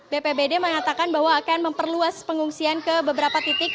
bpbd mengatakan bahwa akan memperluas pengungsian ke beberapa titik